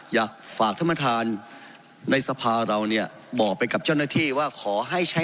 อยากฝากท่านประธานในสภาเราเนี่ยบอกไปกับเจ้าหน้าที่ว่าขอให้ใช้